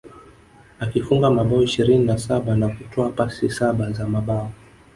Akifunga mabao ishirini na saba na kutoa pasi saba za mabao